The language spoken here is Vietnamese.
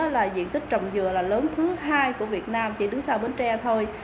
là diện tích trồng dừa là lớn thứ hai của việt nam chỉ đứng sau bến tre thôi